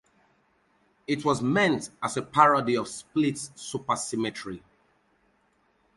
It was meant as a parody of Split Supersymmetry.